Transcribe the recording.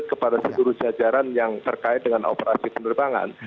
kepada seluruh jajaran yang terkait dengan operasi penerbangan